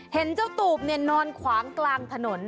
เห็นเจ้าตูบนอนขวางกลางถนน